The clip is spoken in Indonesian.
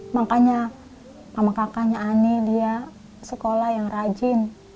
makanya mama kakaknya ani lia sekolah yang rajin